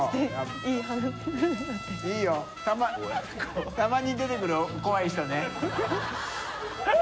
いいよたまに出てくる怖い人ね。